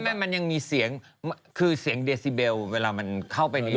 ไม่มันยังมีเสียงคือเสียงเดซิเบลเวลามันเข้าไปในรถ